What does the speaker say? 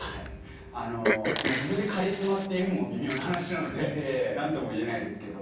あの自分でカリスマって言うのも微妙な話なので何とも言えないですけど。